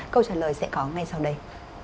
câu trả lời sẽ có ngay sau đây